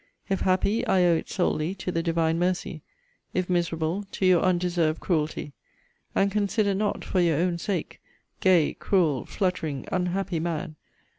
If happy, I owe it solely to the Divine mercy; if miserable, to your undeserved cruelty. And consider not, for your own sake, gay, cruel, fluttering, unhappy man!